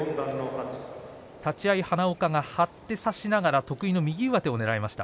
立ち合い花岡が張って差しながら得意の右上手をねらいました。